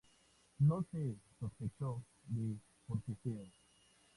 No se sospechó de forcejeo.